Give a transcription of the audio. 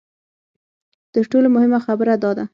تر ټولو مهمه خبره دا ده.